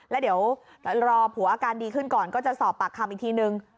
แต่ว่าอาการดีขึ้นก่อนก็จะสอบปากคำอีกทีหนึ่ง